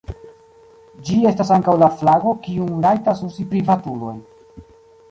Ĝi estas ankaŭ la flago kiun rajtas uzi privatuloj.